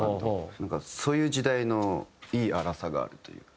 なんかそういう時代のいい粗さがあるというか。